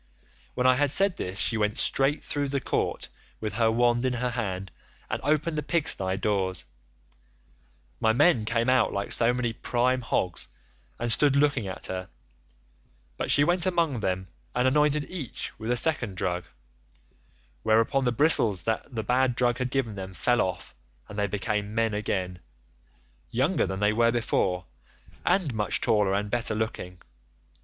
"When I had said this she went straight through the court with her wand in her hand and opened the pigstye doors. My men came out like so many prime hogs and stood looking at her, but she went about among them and anointed each with a second drug, whereon the bristles that the bad drug had given them fell off, and they became men again, younger than they were before, and much taller and better looking.